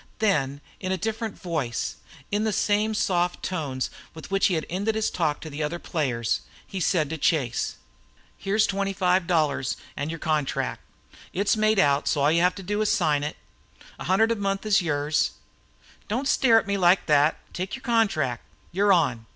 Then in a different voice, in the same soft tones with which he had ended his talk to the other players, he said to Chase: "Here's twenty five dollars advance, an' your contract. It's made out, so all you need to do is sign it. A hundred per month for yours! Don't stare at me like thet. Take your contract. You're on!